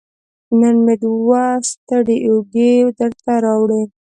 نن مې دوه ستړې اوږې درته راوړي